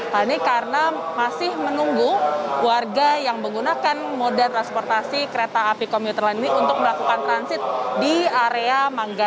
hal ini karena masih menunggu warga yang menggunakan moda transportasi kereta api komuter lain ini untuk melakukan transit di area manggara